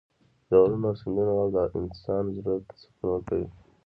د غرونو او سیندونو غږ د انسان زړه ته سکون ورکوي.